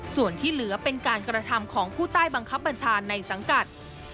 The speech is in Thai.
ส่วนที่เหลือเป็นการกระทำของผู้ใต้บังคับบัญชาในสังกัด